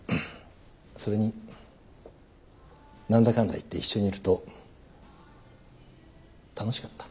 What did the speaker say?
それに何だかんだいって一緒にいると楽しかった。